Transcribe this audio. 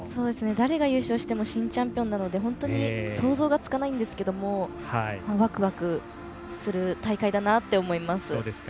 誰が優勝しても新チャンピオンなので想像もつかないんですがワクワクする大会だなと思います。